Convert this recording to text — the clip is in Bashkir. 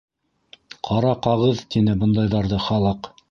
Ҡара ҡағыҙ тине бындайҙарҙы халыҡ.